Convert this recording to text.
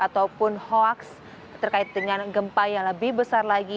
terkait dengan gempa yang lebih besar lagi